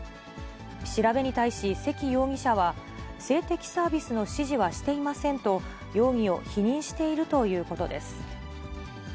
調べに対し関容疑者は、性的サービスの指示はしていませんと、容疑を否認しているということです。